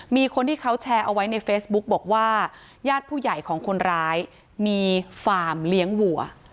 มีคนที่เขาแชร์เอาไว้ในเฟซบุ๊กบอกว่าญาติผู้ใหญ่ของคนร้ายมีฟาร์มเลี้ยงวัว